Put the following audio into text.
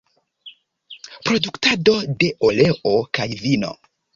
Produktado de oleo kaj vino.